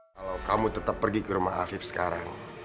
kalau kamu tetap pergi ke rumah afif sekarang